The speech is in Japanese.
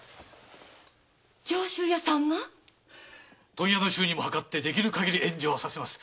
上州屋さんが⁉問屋の衆にもはかってできる限り援助はさせます。